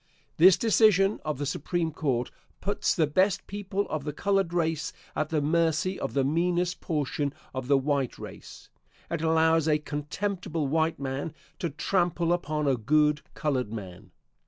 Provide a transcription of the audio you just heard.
This decision of the Supreme Court puts the best people of the colored race at the mercy of the meanest portion of the white race. It allows a contemptible white man to trample upon a good colored man.